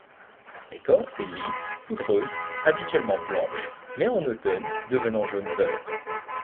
L'écorce est lisse, poudreuse, habituellement blanche, mais en automne, devenant jaune beurre.